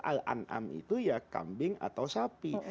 al an'am itu ya kambing atau sapi